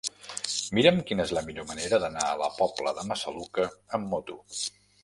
Mira'm quina és la millor manera d'anar a la Pobla de Massaluca amb moto.